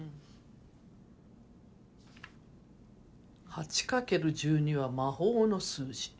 「８×１２は魔法の数字」